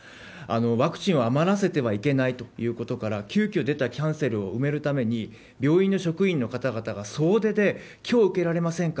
ワクチンを余らせてはいけないということから、急きょ出たキャンセルを埋めるために病院の職員の方々が、総出できょう受けられませんか？